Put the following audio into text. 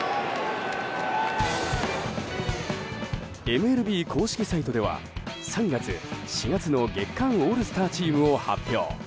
ＭＬＢ公式サイトでは３月、４月の月間オールスターチームを発表。